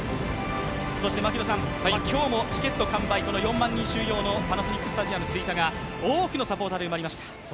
そして今日もチケット完売、４万人収容のパナソニックスタジアム吹田が多くのサポーターで埋まりました。